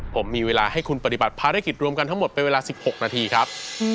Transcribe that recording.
ผมมีเวลาให้คุณปฏิบัติภารกิจรวมกันทั้งหมดเป็นเวลา๑๖นาทีครับ